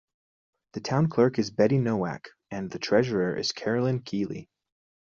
The town clerk is Betty Nowack and the treasurer is Carolyn Keeley.